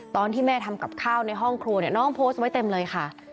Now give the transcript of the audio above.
ตอนที่แม่ทำกับข้าวในห้องครัวเนี่ยน้องโพสต์ไว้เต็มเลยค่ะ